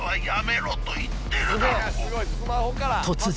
［突然］